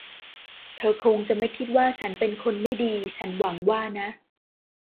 เธอคงจะไม่คิดว่าฉันเป็นคนไม่ดี ฉันหวังว่านะ ?